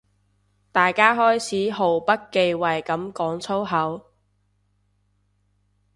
大家開始毫不忌諱噉講粗口